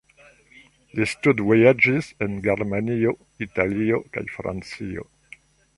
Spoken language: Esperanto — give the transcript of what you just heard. Li studvojaĝis en Germanio, Italio kaj Francio.